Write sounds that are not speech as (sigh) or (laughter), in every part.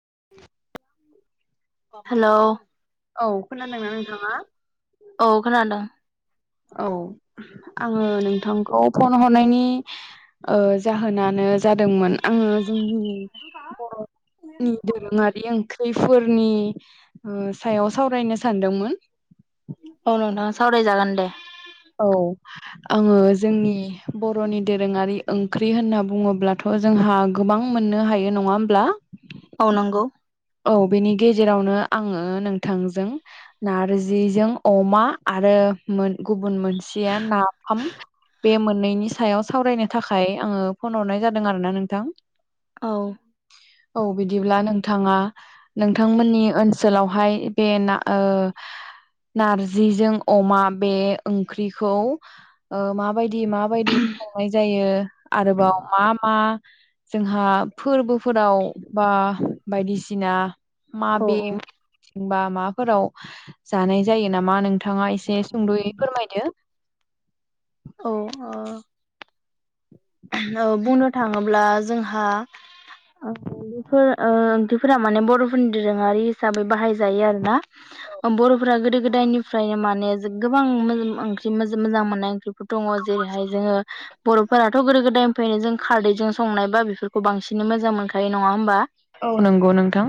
(inaudible) (inaudible) औ खोनादोंना नोंथाङा औ खोनादों औ आङो नोंथांखौ फन हरनायनि ओ जाहोनानो जादोंमोन आङो जोंनि बर नि दोरोङारि ओंख्रिफोरनि ओ सायाव सावरायनो सानदोंमोन औ नोंथाङा सावराय जागोन दे औ आङो जोंनि बर'नि दोरोङारि ओंख्रि होनना बुङोब्लाथ' जोंहा गोबां मोननो हायो नङा होमब्ला औ नंगौ औ बेनि गेजेरावनो आङो नोंथांजों नारजिजों अमा आरो गुबुन मोनसेया नाफाम बे मोननैनि सायाव सावरायनो थाखाय आङो फन हरनाय जादों आरो ना नोंथां औ औ बिदिब्ला नोंथाङा नोंथांमोननि ओनसोलावहाय बे ना ओ नारजिजों अमा बे ओंख्रिखौ माबाय दि माबायदि संनाय जायो आरोबाव मा मा जोंहा फोरबोफोराव बा बायदिसिना मा औ बे औ बा माबाफोराव जानाय जायो नामा नोंथाङा एसे सुंद'यै फोरमायदो (inaudible) औ ओ औ बुंनो थाङोब्ला जोंहा बेफोर ओ ओंख्रिफोरा माने बर'फोरनि दोरोङारि हिसाबै बाहाय जायो आरोना बर' फ्रा गोदो गोदायनिफ्रायनो माने गोबां म ओंख्रि मोजां मोननाय ओंख्रि दङ जेरैहाय जोङो बर'फोरा थ' गोदो गोदायनिफ्रायनो जों खारदैजों संनायबा बेफोरखौ बांसिनै मोजां मोनखायो नङा होमबा औ नंगौ नोंथां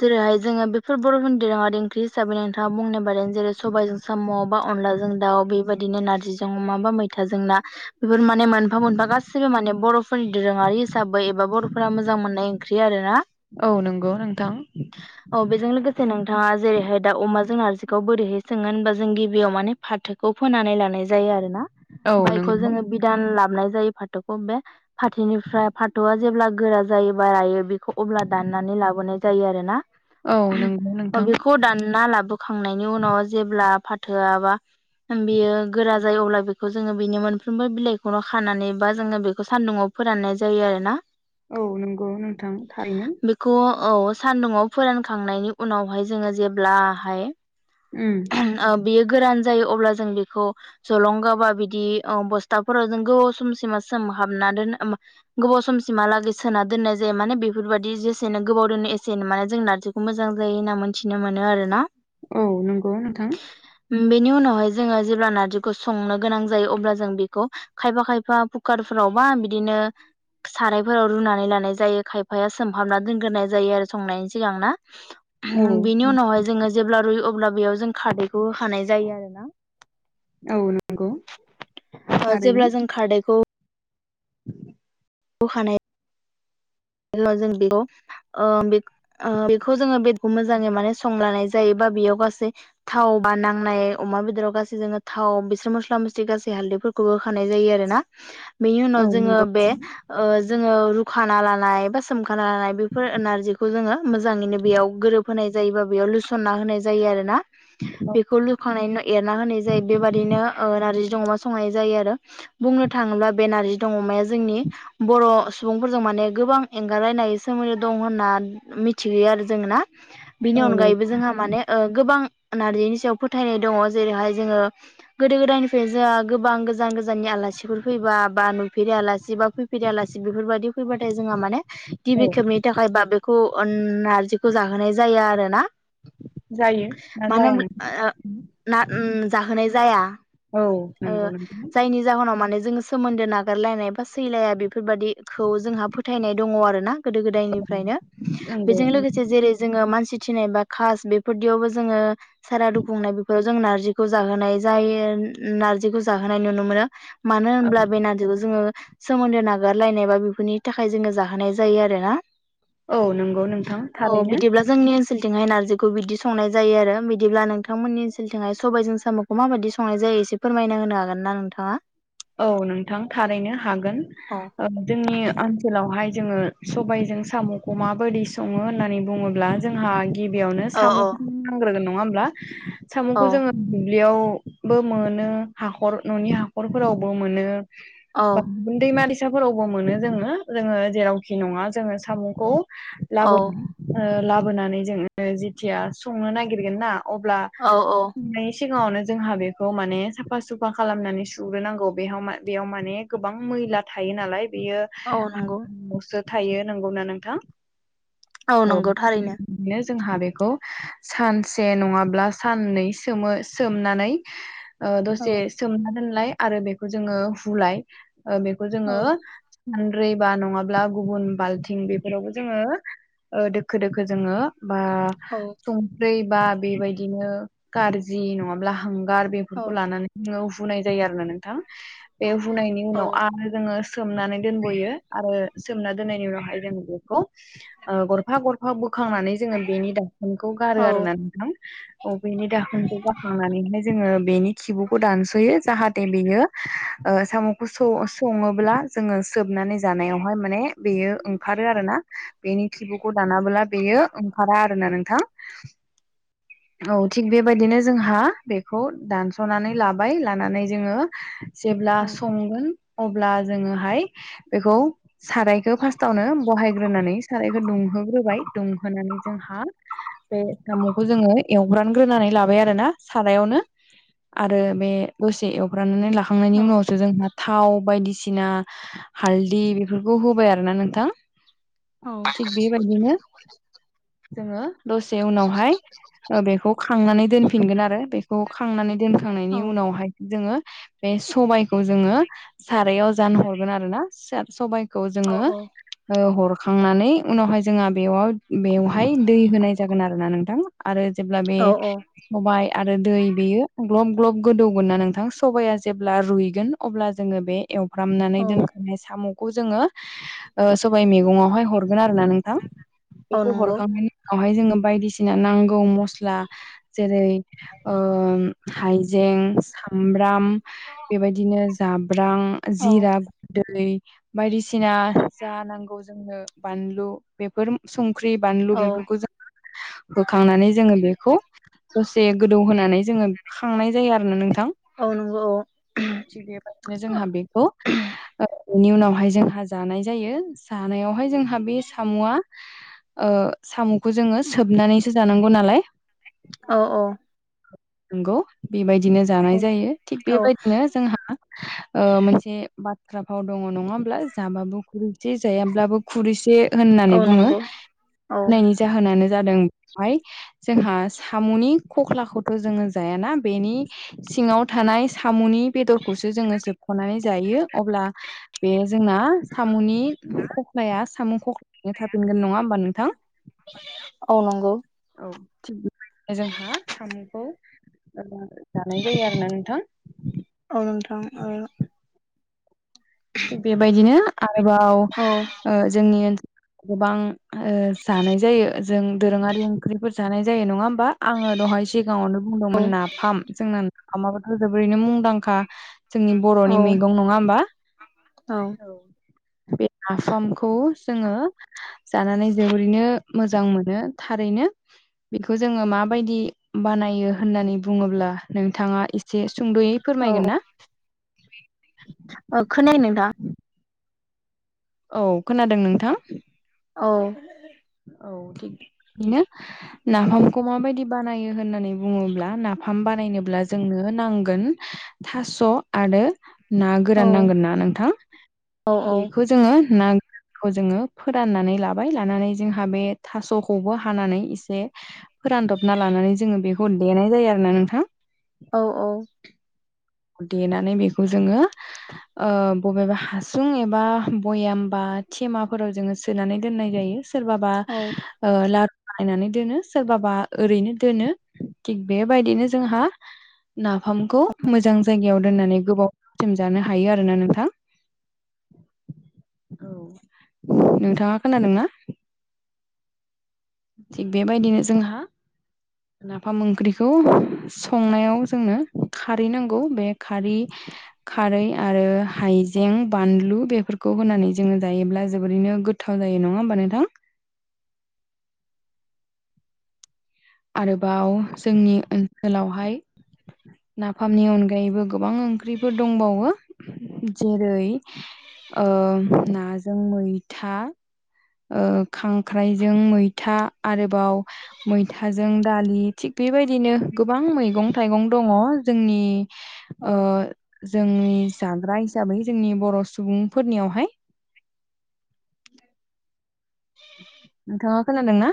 जेरैहाय जोङो बेफोर बर' हारिनि दोरोङारि ओंख्रि हिसाबै नोंथाङा बुंनाय जादों जेरै सबायजों साम' बा अनलाजों दाउ बेबादिनो नारजिजों अमा बा मैथाजों ना बेफोर माने मोनफा मोनफा गासिबो माने बर'फोरनि दोरोङारि हिसाबै एबा बर'फोरा मोजां मोननाय ओंख्रि आरोना औ नंगौ नोंथां औ बेजों लोगोसे नोंथाङा जेरैहाय दा अमा जों नारजिखौ बोरैहाय सङो होनबा जों गिबियाव माने फाथोखौ फोनानै लानाय जायो आरोना औ बेखौ नंगौ जोङो बिदान ला नाय जायो फाथौखौ बे फाथोनिफ्राय फाथौआ जेब्ला गोरा जायोबा रायो बेखौ अब्ला दा ननानै लाबोनाय जायो आरोना औ नंगौ नोंथां। बेखौ दानना लाबोखांनायनि उनाव जेब्ला फाथोआ बा बियो गोरा जायो अब्ला बेखौ जोङो बिनि मोनफ्रोमबो बिलाइ खौनो खानानै बा जोङो बेखौ सान्दुङाव फोराननाय जायो आरो ना औ नंगौ नोंथां थारैनो बेखौ औ सान्दुंआव फोरानखांनायनि उनावहाय जोङो जेब्लाहाय ओम बेयो गोरान जायो अब्ला जों बेखौ जलंगा बा बिदि ओ बस्थाफोराव जों गोबाव समसिमा सोमहाबना दोन गोबाव समसिमहालागै सोना दोननाय जायो माने बेफोरबायदि जेसेनो गोबाव दोनो एसेनो माने जों नारजिखौ मोजां जायो होनना मोनथिनो मोनो आरो ना औ नंगौ नोंथां बेनि उनावहाय जोङो जेब्ला नारजिखौ संनो गोनां जायो अब्ला जों बेखौ खायफा खायफा कुकार फोरावबा बिदिनो सारायफोराव रुनानै लानाय जायो खायफाया सोमहाबना दोनग्रोनाय जायो आरो संनायनि सिगांना औ बिनि उनावहाय जोङो जेब्ला रुइयो अब्ला बेयाव जों खारदैखौ होखानाय जायो आरो ना औ नंगौ ओ थारैनो जेब्ला जों खारदैखौ होखानाय (unintelligible) बेखौ जोङो बे मोजाङै माने संलानाय जायोबा बेयाव गासै थाव बा नांनाय अमा बेदराव गासै जोङो थाव बिसोर मस्ला मस्लि गासै हालदै फोरखौ होखानाय जायो आरो ना बेनि औ उनाव जोङो नंगौ बे ओ जोङो रुखाना ला नाय बा सोमखाना लानाय बेफोर नारजिखौ जोङो मोजाङैनो बेयाव गोरोबहोनाय जायोबा बेयाव लुसनना होनाय जायो आरोना बेखौ लुखांनायनि उनाव एरना होनाय जायो बेबादिनो ओ नारजि जों अमा संनाय जायो आरो बुंनो थाङोब्ला बे नारजिदों अमाया जोंनि बर' सुबुंफोरजों माने गोबां एंगारलायनो हायि सोमोन्दो दं होनना मिथिहोयो आरो जों ना बिनि औ नंगौ अनगायैबो जोंहा माने ओ गोबां नारजिनि सायाव फोथायनाय दङ जेरैहाय जोङो गोदो गोदायनिफ्राय जोंहा गोबां गोजान गोजाननि आल लासिफोर फैबा बा नुफेरि आलासि बा फैफेरि आलासि बेफोरबायदि फैबा थाय जोंहा माने गिबि औ खेबनि थाखाय बा बे खौ ओन नारजिखौ जाहोनाय जायो आरो ना जायो ना मानो जाया नोंथां (unintelligible) ना जाहोनाय जाया औ ओ नंगौ नोंथां जायनि जाहोनाव माने जों सोमोनदो नागारलायनाय बा सैलाया बेफोरबायदिखौ जों फोथायनाय दङ आरोना गोदो गोदायनिफ्रायनो नंगौ बेजों लोगोसे जेरै जोङो मानसि थिनाय बा खास बेफोरदियावबो जोङो सारादु खुंनाय बेफोराव जों नारजिखौ जाहोनाय जायो नारजिखौ जाहोनाय नुनो मोनो मानो होनब्ला नोंथां। बे नारजिखौ जोङो सोमोन्दो नागारलायनाय बा बेफोरनि थाखाय जोङो जाहोनाय जायो आरोना औ नंगौ नोंथां ओ थारैनो बिदिब्ला जोंनि ओनसोलनि थिंहाय नारजिखौ बिदि संनाय जायो आरो बिदिब्ला नोंथांमोननि ओनसोलनिथिंहाय सबायजों साम'खौ माबायदि संनाय जायो? एसे फोरमायना होनो हागोन ना नोंथाङा औ नोंथां थारैनो हागोन औ ओ जोंनि ओन सोलावहाय जोङो सबायजों साम'खौ माबोरै सङो होननानै बुङोब्ला जोंहा गिबियावनो औ औ साम'खौ नांग्रोगोन नङा होमब्ला औ साम'खौ जोङो दुब्लियावबो मोनो हाखर न'नि हाखरफोरावबो मोनो दैमा दैसाफोरावबो मोनो जोङो जोङो जेरावखि नङा जोङो साम'खौ औ लाबो ओ लाबोनानै जोङो जेथिया संनो नागिरगोन ना अब्ला औ औ संनाय सिगाङावनो जोंहा बेखौ माने साफा सुफा खालामनानै सु सुग्रोनांगौ बे बेयाव माने गोबां मैला थायो नालाय औ नंगौ बेयो (inaudible) थायो नंगौना नोंथां औ नंगौ थारैनो औ (inaudible) जोंहा बेखौ सानसे नङाब्ला साननै सोमो सोमनानै ओ दसे सोमना दोनलाय आरो बेखौ जोङो हुलाय ओ बेखौ जोङो सानद्रिबा नङाब्ला गुबुन बालथि बेफोरावबो जोङो ओ दोखो दोखो जोङो बा संख्रि बा बेबायदिनो खारज्रि नङाब्ला हां गार बेफोरखौ लानानै जोङो हुनाय जायो आरोना नोंथां बे हुायनायनि उनाव आरो जोङो सोमनानै दोनबावो आरो सोमना दोननायनि उनावहाय जों बेखौ गरफा गरफा हुखांनानै जोङो बेनि दाखोनखौ गारो औ आरोना नोंथां औ बेनि दाखोनखौ गारखांनानैहाय जोङो बेनि खिबुखौ दानस'यो जाहाथे बेयो साम'खौ सङोब्ला जोङो सोबनानै जानायावहाय माने बेयो ओंखारो आरोना बेनि खिबुखौ दानाबोला बेयो ओंखारा आरोना नोंथां औ थिग बेबायदिनो जोंहा बेखौ दानस'नानै लाबाय लानानै जोङो जेब्ला औ संगोन अब्ला जोङोहाय बेखौ सारायखौ फार्स्ट आवनो बहाय ग्रोनानै सारायखौ दुंहोग्रोबाय दुंहोनानै जोंहा बे साम'खौ जोङो एव एवग्रोनानै लाबाय आरोना सारायावनो आरो बे द एवफ्रामनानै लाखांनायनि उनावसो जोंहा थाव बायदिसिना हालदै बेफोरखौ होबाय आरोना नोंथां थिग बेबादिनो जोङो दसे उनावहाय बेखौ खांनानै दोनफिनगोन आरो बेखौ खांनानै दोनखांनायनि औ उनावहाय जोङो बे सबाइखौ जोङो सारायाव जानहरगोन आरोना स सबाइखौ जोङो हरखांनानै उनावहाय जोंहा बेयाव बेवहाय दै होनाय जागोन आरो ना नोंथां आरो जेब्ला बे औ सबाइ आरो दै बेयो ग्लब- ग्लब गोदौगोन ना नोंथां सबाइया जेब्ला रुइगोन अब्ला जोङो बे एवफ्रामनानै दोनखानाय साम'खौ जोङो सबाइ मैगङावहाय हरगोन आरोना नोंथां औ बेखौ नंगौ हरखांनायनि उनावहाय जोङो बायदिसिना नांगौ मस्ला जेरै हाइजें सामब्राम बेबायदिनो जा जाब्रां औ जिरा गुन्दै बायदिसिना जा नांगौ जोंनो बानलु बेफोर संख्रि बानलु औ बेफोरखौ जों होखांनानै जोङो बेखौ दसे गोदौ होनानै जोङो खांनाय जायो आरो थिग औ नंगौ बेबादिनो जोंहा बेखौ बेनि उनावहाय जोंहा जानाय जायो जानायावहाय जोंहा बे साम'आ साम'खौ जोङो सोबनानैसो जानांगौ नालाय औ औ नंगौ बेबायदिनो जानाय जायो थिग औ बेबायदिनो जोंहा मोनसे बा बाथ्रा फाव दङ नङा होमब्ला जाबाबो खुरैसे जायाब्लाबो खुरैसे होननानै औ बुङो नंगौ औ होनायनि जाहोनानो जादों बेहाय जोंहा साम'नि खख्लाखौ खौ जोङो जायाना बेनि सिङाव थानाय साम'नि बेदरखौसो जोङो सोबख'नानै जायो । यो अब्ला बे जोंना साम'नि खख्लाया साम' खख्लायैनो थाफिनगोन ना नङा होमबा नोंथां? औ नंगौ। औ थिग बेबादिनो जोंहा साम'खौ जानाय जायो आरो ना नोंथां। औ नोंथां औ थिग बेबायदिनो आरोबाव औ ओ जोंनि ओन गोबां ओ जानाय जायो जों दोरोङारि ओंख्रिफोर जानाय जायो नङा होम बा आङो दहाय सिगाङावनो बुंदोंमोन नाफाम जों नाफामाबथ' जोबोरैनो मुंदांखा जोंनि औ बर'नि मैगं नङा होमबा? औ बे नाफामखौ जोङो जानानै जोबोरैनो मोजां मोनो थारैनो‌। बेखौ जोङो माबायदि बानायो होननानै बुङोब्ला नोंथाङा एसे सुंद'यै औ फोरमायगोन ना? औ खोनायो नोंथां औ खोनादों नोंथां। औ। औ थिग बेनो नाफामखौ माबायदि बानायो होननानै बुङोब्ला नाफ फाम बानायनोब्ला जोंनो नांगोन थास' आरो ना औ गोरान नांगोन ना नोंथां औ बेखौ जोङो नाखौ जोङो फोराननानै लाबाय लानानै जोंहा बे थास'खौबो हानानै एसे फोरानदबना लानानै जोङो बेखौ देनाय जायो आरो ना नोंथां । औ औ। देनानै बेखौ जोङो ओ बबेबा हासुं एबा बयाम बा थेमाफोराव जोङो सोनानै दोननाय जायो । सोरबाबा ओ ला बानायनानै दोनो सोरबाबा ओरैनो दोनो थिग बेबायदिनो जोंहा नाफामखौ मोजां जायगायाव दोननानै गोबावसिम जानो हायो आरोना नोंथां। औ नोंथाङा खोनादोंना? थिग बेबायदिनो जोंहा नाफाम ओंख्रिखौ संनायाव जोंनो खारै नांगौ बे खारै खारै आरो हाइजें बानलु बेफोरखौ होनानै जोङो जायोब्ला जोबोरैनो गोथाव जायो नङा होमबा नोंथां? आरोबाव जोंनि ओनसोलावहाय नाफामनि अनगायैबो गोबां ओंख्रिफोर दंबावो जेरै ओ नाजों मैथा। ओ खांख्राइजों मैथा आरोबाव मैथाजों दालि थिग बेबायदिनो गोबां मैगं थाइगं दङ जोंनि ओ जोंनि जाग्रा हि साबै जोंनि बर' सुबुंफोरनियावहाय। नोंथाङा खोनादोंना?